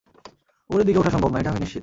উপরের দিকে উঠা সম্ভব না, এটা আমি নিশ্চিত।